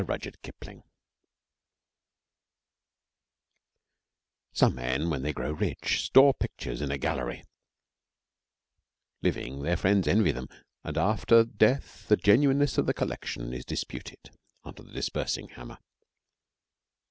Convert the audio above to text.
HALF A DOZEN PICTURES 'Some men when they grow rich, store pictures in a gallery,' Living, their friends envy them, and after death the genuineness of the collection is disputed under the dispersing hammer.